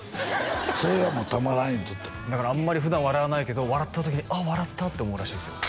それがもうたまらん言うとっただからあんまり普段笑わないけど笑った時あっ笑ったって思うらしいですよ